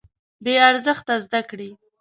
بې ارزښته زده کړې.